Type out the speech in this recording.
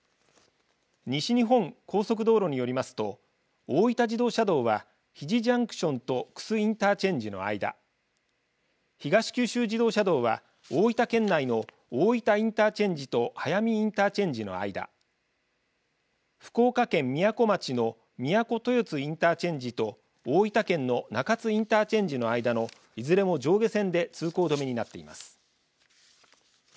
西日本高速道路によりますと大分自動車道は日出ジャンクションと玖珠インターチェンジの間東九州自動車道は大分県内の大分インターチェンジと速見インターチェンジの間福岡県みやこ町のみやこ豊津インターチェンジと大分県の中津インターチェンジの間のいずれも上下線で通行止めになっています。